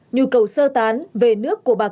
nhu cầu sơ tán về nước của bà công